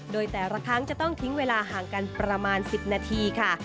โดยแต่ละครั้งจะต้องทิ้งเวลาห่างกันประมาณ๑๐นาทีค่ะ